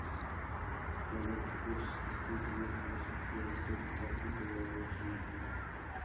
Robert Kurz estudió filosofía, historia y pedagogía.